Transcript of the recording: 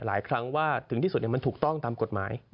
หลายครั้งว่าถึงที่สุดมันถูกต้องตามกฎหมาย